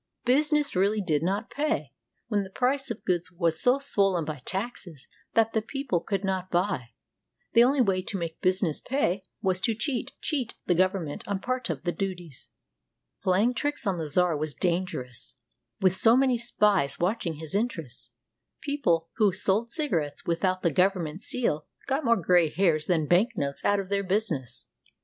Business really did not pay, when the price of goods was so swollen by taxes that the people could not buy. The only way to make business pay was to cheat — cheat the government of part of the duties. Playing tricks on the czar was dangerous, with so many spies watching his interests. People who sold cigarettes with out the government seal got more gray hairs than bank notes out of their business.